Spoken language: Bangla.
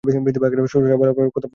শ্বশুরসাহেব বললেন, কথা বল না কেন?